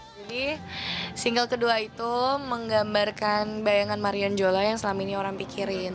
jadi single kedua itu menggambarkan bayangan marion jola yang selama ini orang pikirin